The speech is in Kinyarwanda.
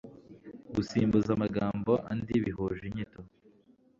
Gusimbuza amagambo andi bihuje inyito.